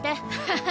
ハハハ